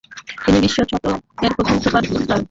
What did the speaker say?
তিনি বিশ শতকের প্রথম সুপার স্পাই।